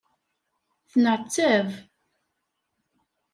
Tenɛettab.